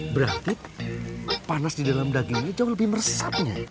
berarti panas di dalam dagingnya jauh lebih meresapnya